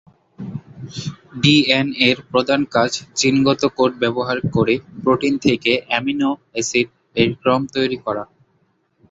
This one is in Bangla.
ডিএনএর প্রধান কাজ জিনগত কোড ব্যবহার করে প্রোটিন থেকে অ্যামিনো অ্যাসিড এর ক্রম তৈরি করা।